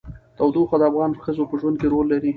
تودوخه د افغان ښځو په ژوند کې رول لري.